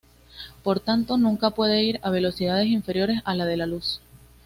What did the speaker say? Por tanto, nunca puede ir a velocidades inferiores a la de la luz.